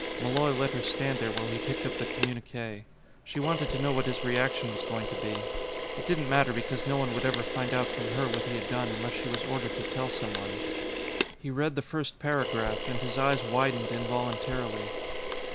Malloy let her stand there while he picked up the communique. She wanted to know what his reaction was going to be; it didn't matter because no one would ever find out from her what he had done unless she was ordered to tell someone. He read the first paragraph, and his eyes widened involuntarily.